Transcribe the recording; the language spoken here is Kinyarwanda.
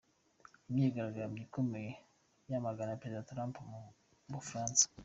Imyigaragambyo ikomeye yamagana Perezida Trump mu Bufuransa.